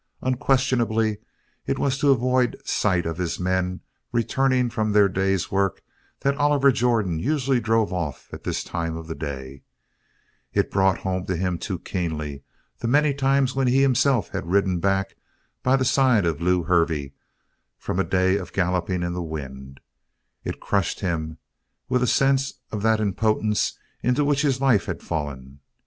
Unquestionably it was to avoid sight of his men returning from their day's work that Oliver Jordan usually drove off at this time of the day; it brought home to him too keenly the many times when he himself had ridden back by the side of Lew Hervey from a day of galloping in the wind; it crushed him with a sense of the impotence into which his life had fallen.